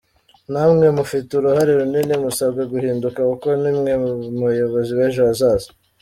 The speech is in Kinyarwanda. Namwe mufite uruhare runini, musabwa guhinduka kuko ni mwe bayobozi b’ejo hazaza.